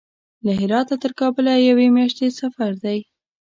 له هراته تر کابل یوې میاشتې سفر دی.